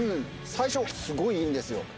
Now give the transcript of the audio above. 最初すごいいいんですよ。